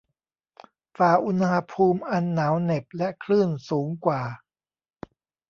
ฝ่าอุณหภูมิอันหนาวเหน็บและคลื่นสูงกว่า